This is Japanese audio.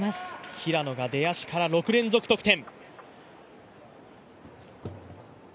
平野が出足から６連続得点。